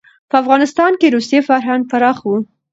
په افغانستان کې روسي فرهنګ پراخه و.